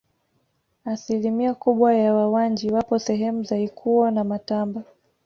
Asilimia kubwa ya Wawanji wapo sehemu za Ikuwo na Matamba